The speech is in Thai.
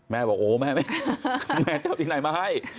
แม่บอกโอ้แม่ไม่แม่เจ้าที่ไหนมาให้